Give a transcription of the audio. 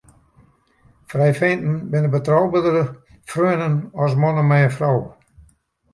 Frijfeinten binne betrouberder freonen as mannen mei in frou.